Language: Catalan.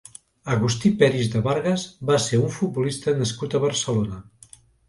Agustí Peris de Vargas va ser un futbolista nascut a Barcelona.